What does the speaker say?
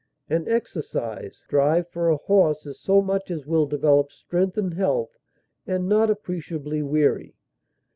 An exercise drive for a horse is so much as will develop strength and health and not appreciably weary.